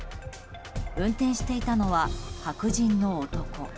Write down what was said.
運転していたのは白人の男。